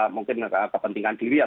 mungkin kepentingan diri ya